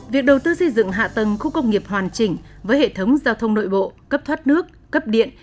việc đầu tư xây dựng hạ tầng khu công nghiệp hoàn chỉnh với hệ thống giao thông nội bộ cấp thoát nước cấp điện